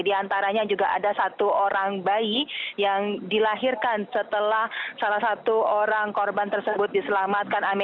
di antaranya juga ada satu orang bayi yang dilahirkan setelah salah satu orang korban tersebut diselamatkan